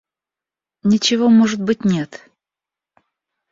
Ничего, может быть, нет.